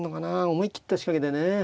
思い切った仕掛けでね。